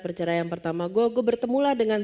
perceraian pertama gue gue bertemulah dengan